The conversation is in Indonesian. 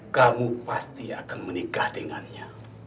kamu pasti akan menikah dengannya